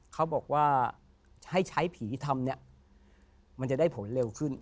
เขาบอกว่าให้ใช้ผีทำเนี่ยมันจะได้ผลเร็วขึ้น